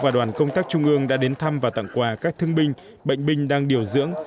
và đoàn công tác trung ương đã đến thăm và tặng quà các thương binh bệnh binh đang điều dưỡng